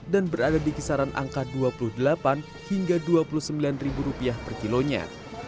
dan berada di kisaran angka dua puluh delapan hingga dua puluh sembilan ribu rupiah per kilonya